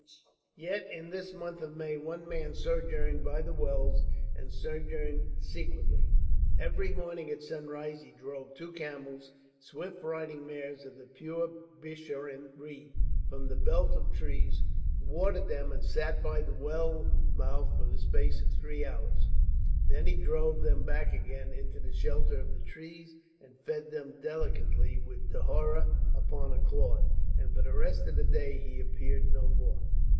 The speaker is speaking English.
Yet in this month of May one man sojourned by the wells and sojourned secretly. Every morning at sunrise he drove two camels, swift riding mares of the pure Bisharin breed, from the belt of trees, watered them, and sat by the well mouth for the space of three hours. Then he drove them back again into the shelter of the trees, and fed them delicately with dhoura upon a cloth; and for the rest of the day he appeared no more.